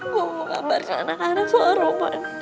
gue mau ngambar ke anak anak soal rumah